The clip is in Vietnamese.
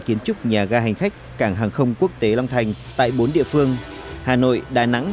kiến trúc nhà ga hành khách cảng hàng không quốc tế long thành tại bốn địa phương hà nội đà nẵng